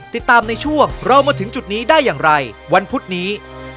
ติดตามในช่วงเรามาถึงจุดนี้ได้อย่างไรวันพุธนี้